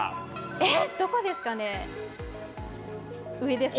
えっ、どこですかね。